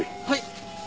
はい。